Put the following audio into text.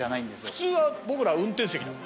普通は僕らは運転席なの。